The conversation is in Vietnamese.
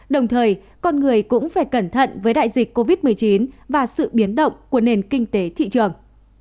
đồng thời con người cũng phải cẩn thận với đại dịch covid một mươi chín và sự biến động của nền kinh tế thị trường